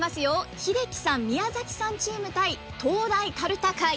英樹さん宮崎さんチーム対東大かるた会。